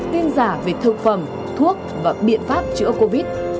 tin giả về thực phẩm thuốc và biện pháp chữa covid